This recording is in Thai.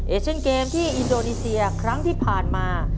เอเชียนเกมที่อินโดนีเซียครั้งที่ผ่านมา